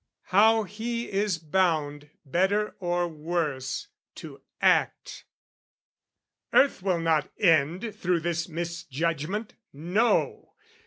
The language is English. How he is bound, better or worse, to act. Earth will not end through this misjudgment, no!